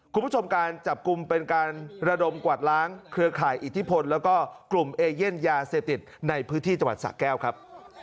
คุณผู้ชมการจับกลุ่มเป็นการระดมกวาดล้างเครือข่ายอิทธิพลแล้วก็กลุ่มเอเย่นยาเสพติดในพื้นที่จังหวัดสะแก้วครับ